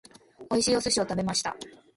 美味しいお寿司を食べました。